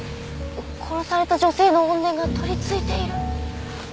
殺された女性の怨念が取りついている？